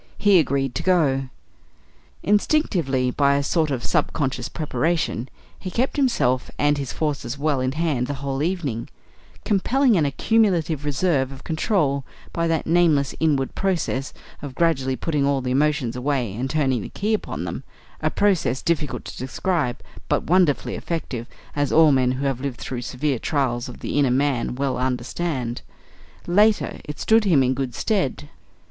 He agreed to go. Instinctively, by a sort of sub conscious preparation, he kept himself and his forces well in hand the whole evening, compelling an accumulative reserve of control by that nameless inward process of gradually putting all the emotions away and turning the key upon them a process difficult to describe, but wonderfully effective, as all men who have lived through severe trials of the inner man well understand. Later, it stood him in good stead.